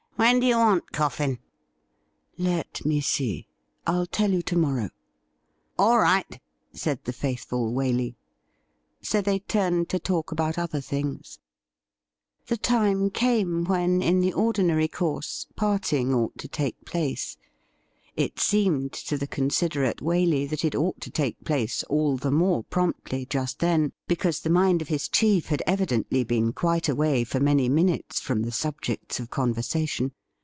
When do you want Coffin ?'' Let me see. I'll tell you to morrow.' ' All right,' said the faithful Waley. So they timied to talk about other things. The time came when, in the ordinary course, parting ought to take place. It seemed to the considerate Waley that it ought to take place all the more promptly just then because the mind of his chief had evidently been quite away for many minutes from the subjects of con versation.